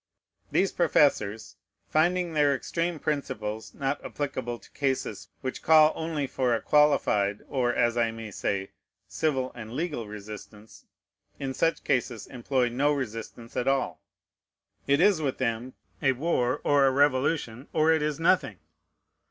These professors, finding their extreme principles not applicable to cases which call only for a qualified, or, as I may say, civil and legal resistance, in such cases employ no resistance at all. It is with them a war or a revolution, or it is nothing.